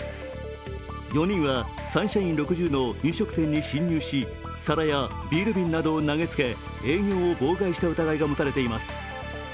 ４人はサンシャイン６０の飲食店に侵入し皿やビール瓶などを投げつけ、営業を妨害した疑いが持たれています。